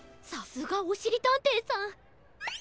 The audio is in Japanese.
さすがおしりたんていさん。